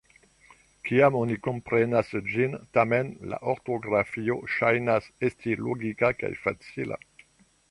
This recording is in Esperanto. Kiam oni komprenas ĝin, tamen, la ortografio ŝajnas esti logika kaj facila.